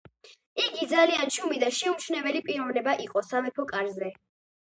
იგი ძალიან ჩუმი და შეუმჩნეველი პიროვნება იყო სამეფო კარზე.